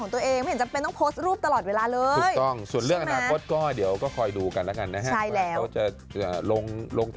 ต่างคนต่างมีเวลาของตัวเอง